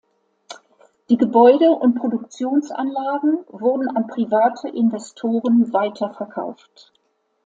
Die Gebäude und Produktionsanlagen wurden an private Investoren weiterverkauft.